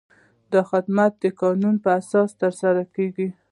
دا خدمات د قانون په اساس ترسره کیږي.